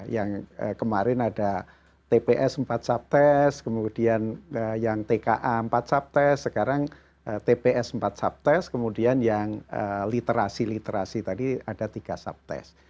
yang kemarin ada tps empat subtest kemudian yang tka empat subtest sekarang tps empat subtest kemudian yang literasi literasi tadi ada tiga subtest